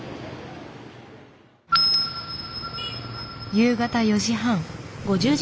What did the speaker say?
夕方４時半。